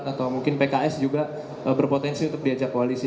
atau mungkin pks juga berpotensi untuk diajak koalisi